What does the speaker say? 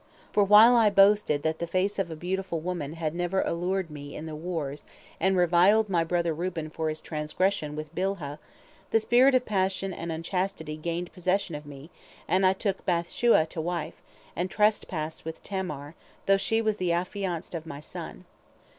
For while I boasted that the face of a beautiful woman had never allured me in the wars, and reviled my brother Reuben for his transgression with Bilhah, the spirit of passion and unchastity gained possession of me, and I took Bath shua to wife, and trespassed with Tamar, though she was the affianced of my son.